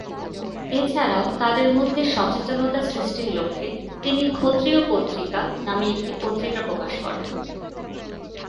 এছাড়াও তাদের মধ্যে সচেতনতা সৃষ্টির লক্ষ্যে তিনি "ক্ষত্রিয় পত্রিকা" নামে একটি পত্রিকা প্রকাশ করেন।